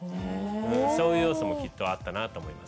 そういう要素もきっとあったなと思います。